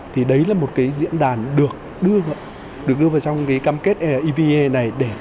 thì đấy là một diễn đàn được đưa vào trong cam kết evfta này